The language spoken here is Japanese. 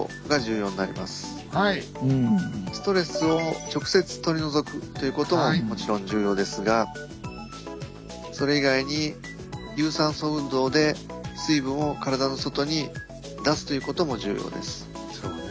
ストレスを直接取り除くということももちろん重要ですがそれ以外に有酸素運動で水分を体の外に出すということも重要です。